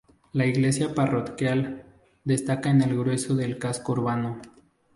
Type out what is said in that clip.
La Iglesia Parroquial, destaca en el grueso del casco urbano.